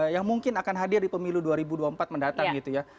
yang mungkin akan hadir di pemilu dua ribu dua puluh empat mendatang gitu ya